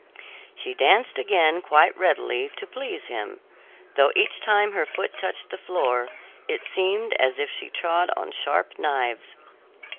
She danced again quite readily, to please him, though each time her foot touched the floor it seemed as if she trod on sharp knives.